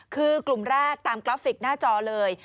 คือกลุ่มแรกตามกราฟิกหน้าจอเลย